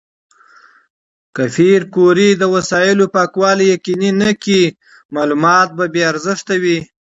که پېیر کوري د وسایلو پاکوالي یقیني نه کړي، معلومات به بې ارزښته وي.